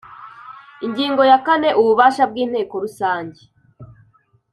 Ingingo ya kane Ububasha bw Inteko Rusange